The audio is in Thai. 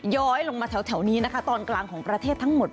ย้อยลงมาแถวนี้นะคะตอนกลางของประเทศทั้งหมด